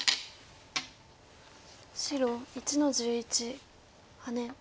白１の十一ハネ。